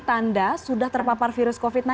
tanda sudah terpapar virus covid sembilan belas